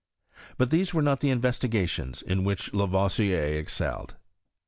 But these were not the investigations in which La voisier excelled.